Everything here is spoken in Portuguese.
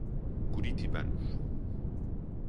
Curitibanos